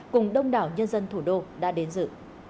cùng đông đảo nhân dân thủ đô đã đến dự